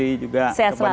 sama sama mbak putri juga